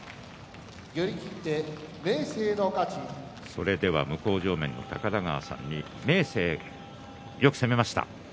それでは向正面の高田川さんに明生、よく攻めました。